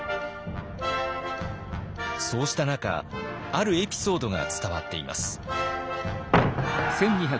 そうした中あるエピソードが伝わっています。